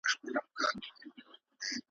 ښاماران مي تېروله ,